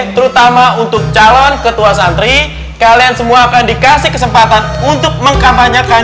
terutama untuk calon ketua santri kalian semua akan dikasih kesempatan untuk mengkampanyekan